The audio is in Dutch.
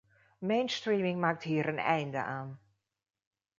Mainstreaming maakt hier een einde aan.